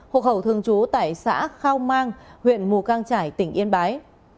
hộ khẩu thường trú tại xã khao mang huyện mù cang trải tỉnh yên bái